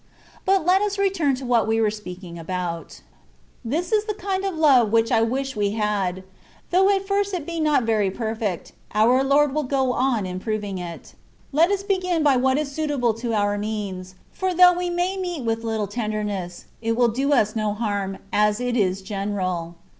But let us return to what we were speaking about. This is the kind of love which I wish we had. Though at first it be not very perfect, our Lord will go on improving it. Let us begin by what is suitable to our means, for though we may meet with a little tenderness, it will do us no harm, as it is general.